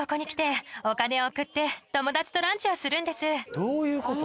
どういうこと？